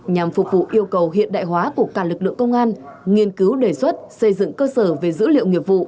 nhằm phục vụ yêu cầu hiện đại hóa của cả lực lượng công an nghiên cứu đề xuất xây dựng cơ sở về dữ liệu nghiệp vụ